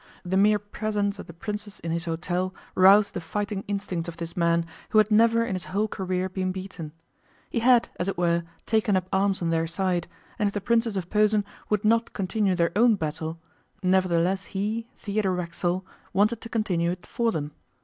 The mere presence of the princes in his hotel roused the fighting instincts of this man, who had never in his whole career been beaten. He had, as it were, taken up arms on their side, and if the princes of Posen would not continue their own battle, nevertheless he, Theodore Racksole, wanted to continue it for them.